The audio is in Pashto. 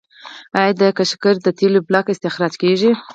آیا د قشقري د تیلو بلاک استخراج کیږي؟